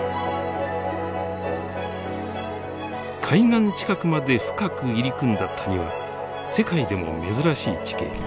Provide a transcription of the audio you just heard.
海岸近くまで深く入り組んだ谷は世界でも珍しい地形。